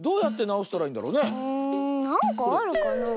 なんかあるかなあ？